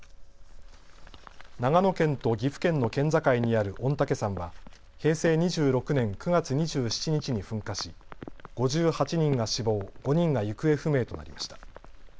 長野県と岐阜県の県境にある御嶽山は平成２６年９月２７日に噴火し５８人が死亡、５人が行方不明となりました。